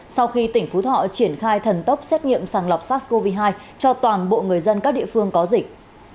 sau khi tỉnh phú thọ triển khai thần tốc xét nghiệm sàng lọc sars cov hai cho toàn bộ người dân các địa phương có dịch